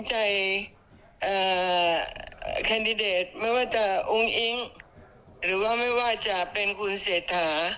แคนดิเดตไม่ว่าจะอุ้งอิ๊งหรือว่าไม่ว่าจะเป็นคุณเศรษฐา